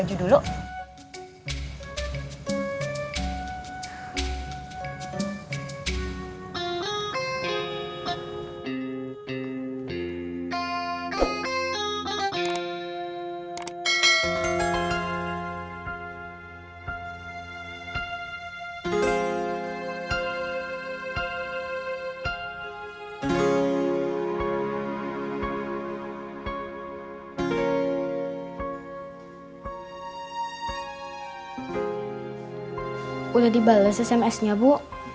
udah dibalas sms nya bu